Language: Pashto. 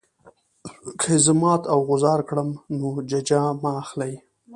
که یې زه مات او غوځار کړم نو ججه مه اخلئ.